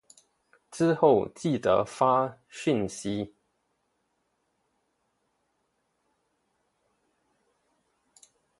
之后记得发讯息